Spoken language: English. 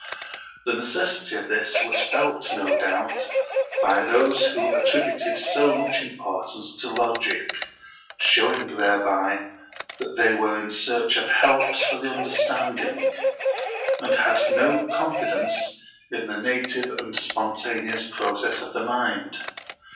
The necessity of this was felt no doubt by those who attributed so much importance to Logic; showing thereby that they were in search of helps for the understanding, and had no confidence in the native and spontaneous process of the mind.